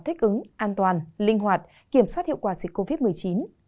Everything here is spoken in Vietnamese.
thích ứng an toàn linh hoạt kiểm soát hiệu quả dịch covid một mươi chín